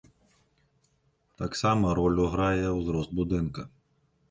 Таксама ролю грае ўзрост будынка.